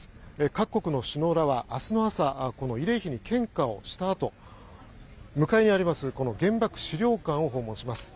各国の首脳らは明日の朝、この慰霊碑に献花をしたあと、向かいの原爆資料館を訪問します。